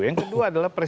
yang kedua adalah